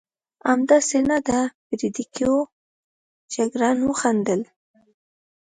همداسې نه ده فرېدرېکو؟ جګړن وخندل.